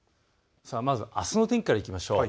まず、あすの天気からいきましょう。